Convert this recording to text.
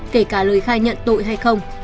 kể cả lời khai nhận tội